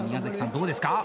どうですか？